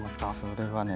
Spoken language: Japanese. それはね